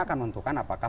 akan menentukan apakah